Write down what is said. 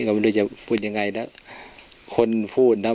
ก็ไม่ร่ำเรียนไปทางนี้ก็ไม่รู้จะพูดยังไงนะ